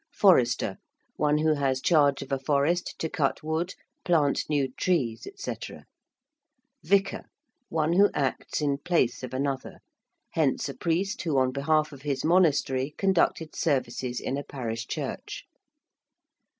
~Forester~: one who has charge of a forest to cut wood, plant new trees, &c. ~vicar~: one who acts in place of another; hence a priest who on behalf of his monastery conducted services in a parish church.